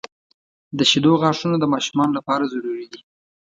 • د شیدو غاښونه د ماشومانو لپاره ضروري دي.